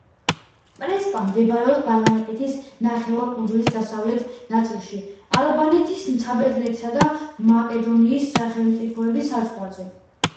პრესპა მდებარეობს ბალკანეთის ნახევარკუნძულის დასავლეთ ნაწილში, ალბანეთის, საბერძნეთისა და მაკედონიის სახელმწიფოების საზღვარზე.